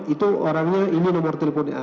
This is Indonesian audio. itu orangnya ini nomor teleponnya